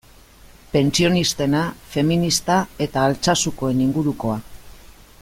Pentsionistena, feminista eta Altsasukoen ingurukoa.